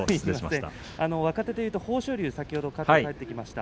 若手で言いますと豊昇龍、先ほど帰ってきました。